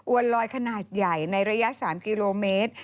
วนลอยขนาดใหญ่ในระยะ๓กิโลเมตร